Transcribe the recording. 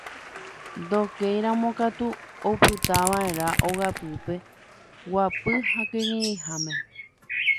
Ndokéiramo katu opytava'erã ogapýpe guapy ha kirirĩháme.